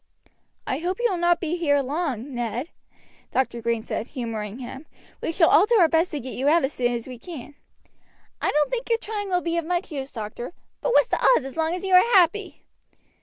"I hope you will not be here long, Ned," Dr. Green said, humoring him. "We shall all do our best to get you out as soon as we can." "I don't think your trying will be of much use, doctor; but what's the odds as long as you are happy!"